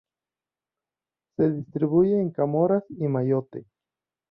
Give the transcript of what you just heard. Se distribuye en Comoras y Mayotte.